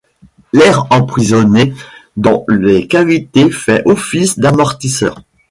L’air emprisonné dans les cavités fait office d’amortisseur.